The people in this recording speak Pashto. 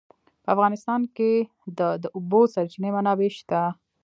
په افغانستان کې د د اوبو سرچینې منابع شته.